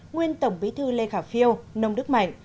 nguyên tổng bí thư lê khả phiêu nông đức mạnh